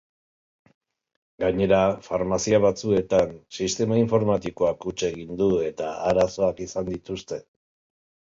Gainera, farmazia batzuetan sistema informatikoak huts egin du eta arazoak izan dituzte.